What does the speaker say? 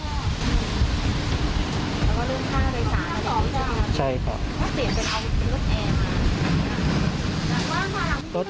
แล้วก็เริ่มข้าวในสายก็ได้